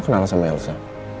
pak suman kenal sama elsa